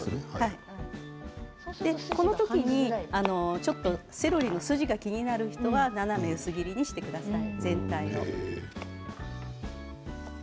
その時にセロリの筋が気になる時は斜め薄切りにしてください。